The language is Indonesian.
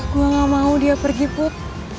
gue gak mau dia pergi put